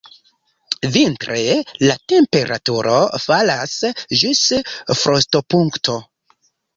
Vintre la temperaturo falas ĝis frostopunkto.